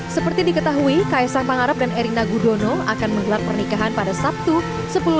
seperti diketahui ks sang pangarap dan erina gudono akan menggelar pernikahan pada sabtu